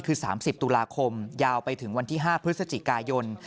คือ๓๐ตุลาคมยาวไปถึงวันที่๕พฤศจิกายน